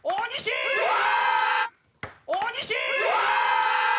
大西！